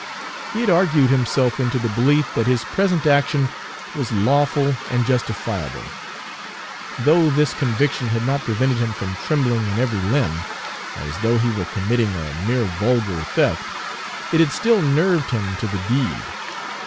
He had argued himself into the belief that his present action was lawful and justifiable. Though this conviction had not prevented him from trembling in every limb, as though he were committing a mere vulgar theft, it had still nerved him to the deed.